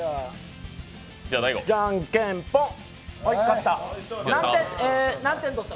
じゃんけんぽん、勝った。